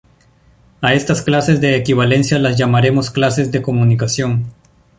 A estas clases de equivalencia las llamaremos "clases de comunicación".